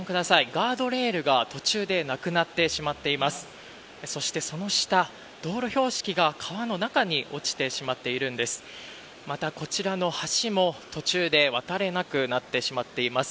カードレールが途中でなくなってしまっています。